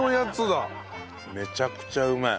めちゃくちゃうめえ。